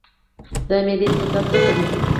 د معدې تیزاب څه کوي؟